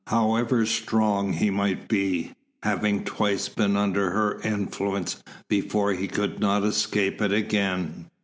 However strong he might be, having twice been under her influence before he could not escape it again.